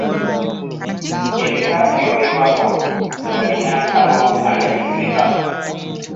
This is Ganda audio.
Ebika ebyogerwako nga binnansangwa mu Buganda biri bimeka?